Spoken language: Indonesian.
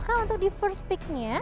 kau untuk di first pick nya